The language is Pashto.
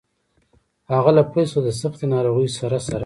هغه له پیل څخه د سختې ناروغۍ سره سره.